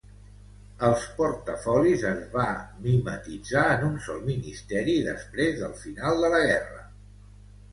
El portafolis es va mimetitzar en un sol ministeri després del final de la guerra.